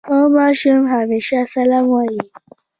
ښه ماشوم همېشه سلام وايي.